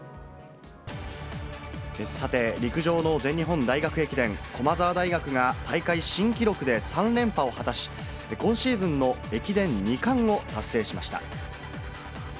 さて、陸上の全日本大学駅伝、駒澤大学が大会新記録で３連覇を果たし、今シーズンの駅伝２冠を達成しました。